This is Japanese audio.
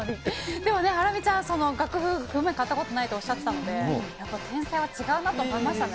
でもね、ハラミちゃん、楽譜買ったことないっておっしゃってたので、やっぱ天才は違うなと思いましたね。